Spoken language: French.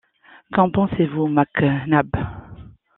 Qu’en pensez-vous, Mac Nabbs?